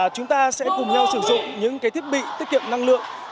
chúng ta sẽ cùng nhau sử dụng những cái thiết bị tiết kiệm năng lượng